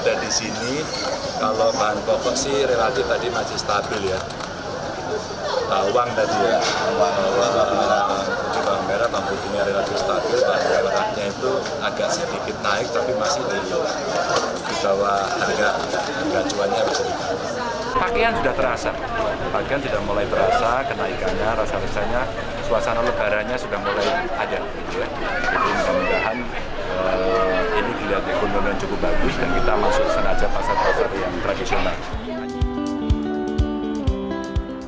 jadi semoga ini kelihatan ekonomi cukup bagus dan kita masuk ke pasar pasar yang tradisional